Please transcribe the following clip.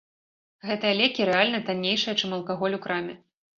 Гэтыя лекі рэальна таннейшыя, чым алкаголь у краме.